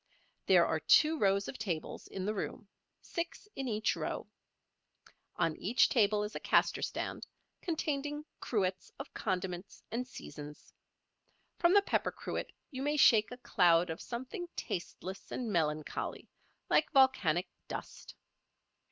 There are two rows of tables in the room, six in each row. On each table is a caster stand, containing cruets of condiments and seasons. From the pepper cruet you may shake a cloud of something tasteless and melancholy, like volcanic dust.